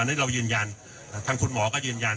อันนี้เรายืนยันทางคุณหมอก็ยืนยัน